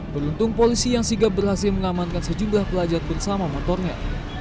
beruntung polisi yang sigap berhasil mengamankan sejumlah pelajar bersama motornya